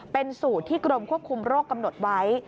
เป็นสูตรที่กรมควบคุมโรคกำหนดไว้